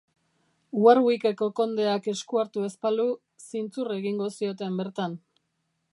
Warwick-eko kondeak esku hartu ez balu, zintzur egingo zioten bertan.